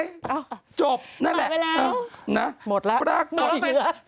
อ้าวบอกไปแล้วนั่นแหละน่ะปรากฏอีกคือนั่นแหละ